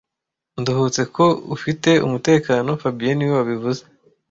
Nduhutse ko ufite umutekano fabien niwe wabivuze